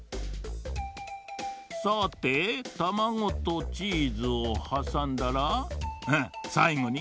さてたまごとチーズをはさんだらうんさいごに。